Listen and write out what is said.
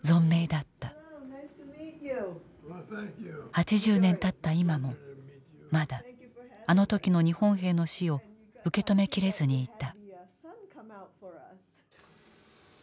８０年たった今もまだあの時の日本兵の死を受け止め切れずにいた。